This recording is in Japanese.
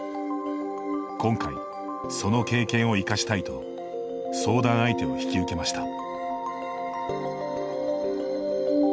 今回、その経験を生かしたいと相談相手を引き受けました。